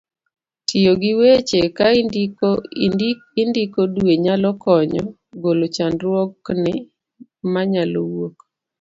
tiyo gi weche ka indiko dwe nyalo konyo golo chandruokni manyalo wuok